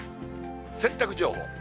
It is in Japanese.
洗濯情報。